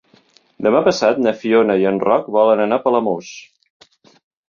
Demà passat na Fiona i en Roc volen anar a Palamós.